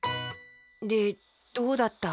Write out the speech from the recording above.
でどうだった？